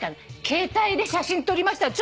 携帯で写真撮りましたよ。